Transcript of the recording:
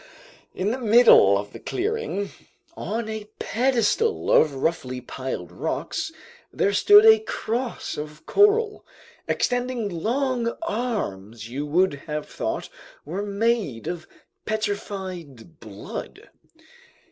In the middle of the clearing, on a pedestal of roughly piled rocks, there stood a cross of coral, extending long arms you would have thought were made of petrified blood.